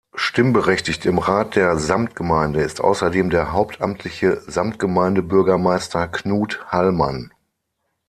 Stimmberechtigt im Rat der Samtgemeinde ist außerdem der hauptamtliche Samtgemeindebürgermeister Knut Hallmann.